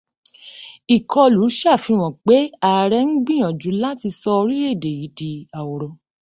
Ìkọlù sàfihàn pé ààrẹ ń gbìyànjú láti sọ orílẹ́èdè yìí di aworo.